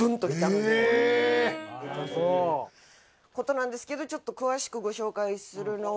なんですけどちょっと詳しくご紹介するのは。